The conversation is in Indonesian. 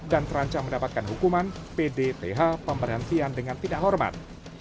dan terancam mendapatkan hukuman pdth pemberhentian dengan tidak hormat